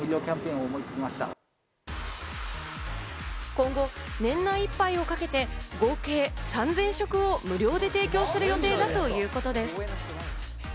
今後、年内いっぱいをかけて、合計３０００食を無料で提供する予定だということです。